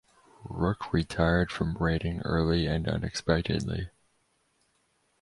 Rook retired from writing early and unexpectedly.